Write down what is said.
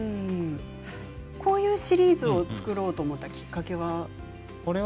こういうシリーズを作ろうと思ったきっかけは？